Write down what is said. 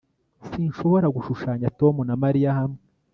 Sinshobora gushushanya Tom na Mariya hamwe